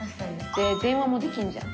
電話もできんじゃん